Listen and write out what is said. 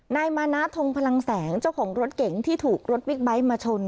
นายมานะทงพลังแสงเจ้าของรถเก๋งที่ถูกรถบิ๊กไบท์มาชน